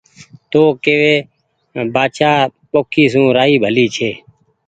تو ڪيوي بآڇآ پوکي سون رآئي ڀلي ڇي